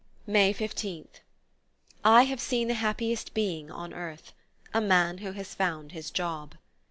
May 15th. I have seen the happiest being on earth: a man who has found his job.